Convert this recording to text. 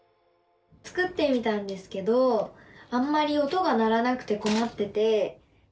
作ってみたんですけどあんまり音が鳴らなくてこまってて。